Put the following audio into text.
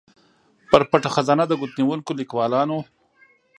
پر پټه خزانه د ګوتنیونکو ليکوالانو